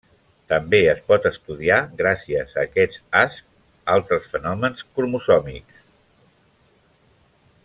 També es pot estudiar, gràcies a aquests ascs, altres fenòmens cromosòmics.